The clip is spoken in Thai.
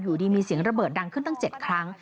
อยู่ดีมีเสียงระเบิดดังขึ้นตั้ง๗ครั้ง